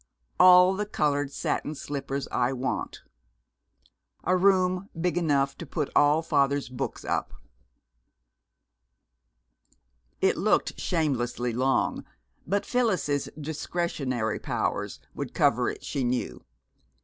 All the colored satin slippers I want. A room big enough to put all father's books up. It looked shamelessly long, but Phyllis's "discretionary powers" would cover it, she knew.